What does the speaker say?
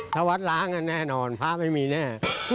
ถ้าวัดล้างกันแน่นอนพระไม่มีแน่